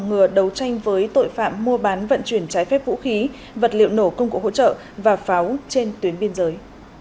ngừa đấu tranh với tội phạm mua bán vận chuyển trái phép vũ khí vật liệu nổ công cụ hỗ trợ và pháo trên tuyến biên giới